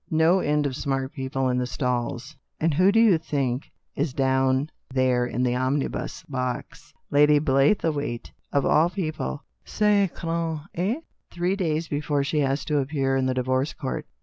No end of smart people in the stalls. And who do you think is down there in the omni bus box ? Lady Blaythewaite, of all people. 204 THE STORY OF A MODERN WOMAN. (feat vrdne, hein ? Three days before she has to appear in the divorce court.